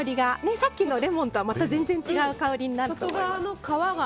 さっきのレモンとはまた全然違う香りになっている。